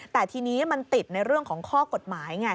แต่ทีนี้มันติดในเรื่องของข้อกฎหมายไง